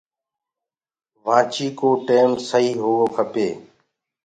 گھڙيو ڪو ٽيم سهي هوو کپي